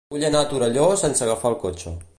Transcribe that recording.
Vull anar a Torelló sense agafar el cotxe.